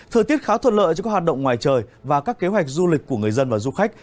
thời tiết khá thuận lợi cho các hoạt động ngoài trời và các kế hoạch du lịch của người dân và du khách